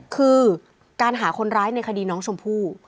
คือการหาคนร้ายในคดีน้องชมพู่